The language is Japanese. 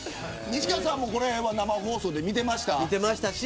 西川さんもこれは生放送で見てましたか。